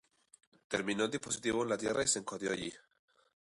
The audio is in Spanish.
Terminó el dispositivo en la Tierra y se escondió allí.